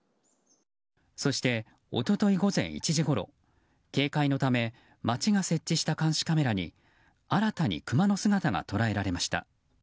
そして、一昨日午前１時ごろ警戒のため町が設置した監視カメラに新たにクマの姿が捉えられました。